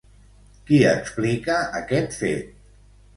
Qui explica aquest fet?